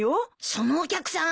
そのお客さん